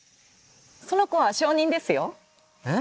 その子は小人ですよ。え？